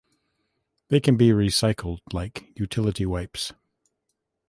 They can be recycled like utility wipes.